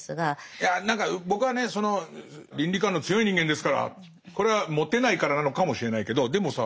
いや何か僕はねその倫理観の強い人間ですからこれはモテないからなのかもしれないけどでもさ